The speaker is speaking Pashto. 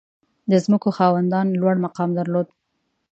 • د ځمکو خاوندان لوړ مقام درلود.